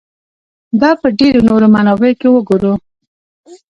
دا په ډېرو نورو منابعو کې وګورو.